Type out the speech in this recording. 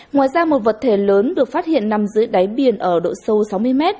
ngoài ra một vật thể lớn được phát hiện nằm dưới đáy biển ở độ sâu sáu mươi m